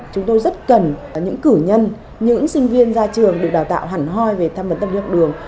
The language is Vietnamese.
chúng tôi rất cần những cử nhân những sinh viên ra trường được đào tạo hẳn hoi về tham vấn tâm lý học đường